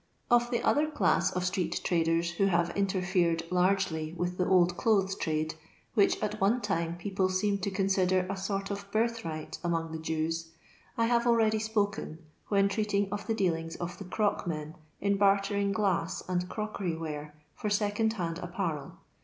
Of the other class of itreet tnideii who have interfered largely with the old elothes trade, which, at one time, people seemed to consider a sort of birthright among the Jews, I have already spoken, when treating of the dealings of the crockmen in bartering glass and crockery ware for second hmd apparel.